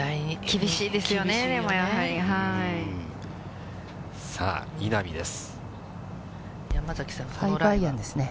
厳しいですね。